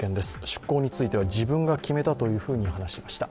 出港については自分が決めたというふうに話しました。